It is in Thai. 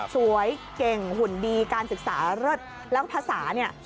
สวยเก่งหุ่นดีการศึกษาเลิศแล้วภาษาเนี่ย